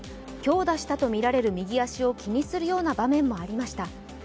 強打したとみられる右足を気にするような場面もありました。